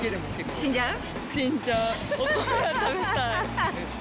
死んじゃう？